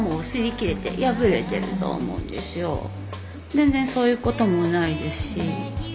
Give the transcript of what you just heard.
全然そういうこともないですし。